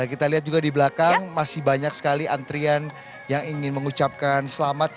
kita lihat juga di belakang masih banyak sekali antrian yang ingin mengucapkan selamat